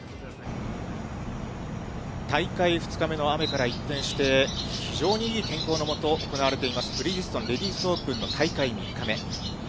大会２日目の雨から一転して、非常にいい天候のもと行われています、ブリヂストンレディスオープンの大会３日目。